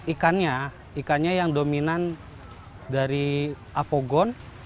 ikannya ikannya yang dominan dari apogon